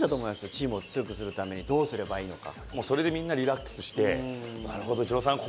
チームを強くするためにどうすればいいのか。